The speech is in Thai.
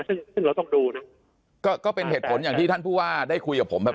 ซึ่งซึ่งเราต้องดูนะก็เป็นเหตุผลอย่างที่ท่านผู้ว่าได้คุยกับผมแบบ